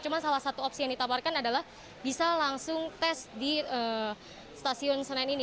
cuma salah satu opsi yang ditawarkan adalah bisa langsung tes di stasiun senen ini